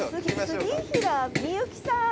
杉平みゆきさん。